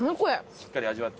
しっかり味わって。